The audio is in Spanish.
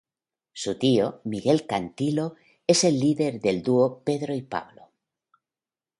Su tío, Miguel Cantilo, es el líder del dúo Pedro y Pablo.